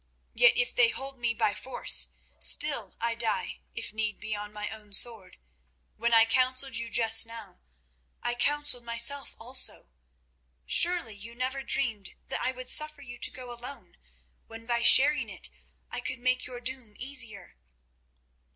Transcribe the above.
Yes, if they hold me by force, still I die, if need be, on my own sword. When I counselled you just now, I counselled myself also. Surely you never dreamed that I would suffer you to go alone, when by sharing it I could make your doom easier."